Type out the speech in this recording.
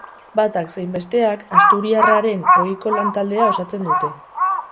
Batak zein besteak asturiarraren ohiko lan taldea osatzen dute.